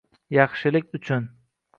Yaxshilik uchun